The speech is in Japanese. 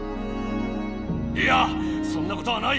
いやそんなことはない！